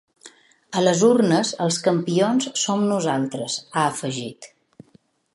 A les urnes els campions som nosaltres, ha afegit.